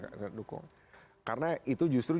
sangat dukung karena itu justru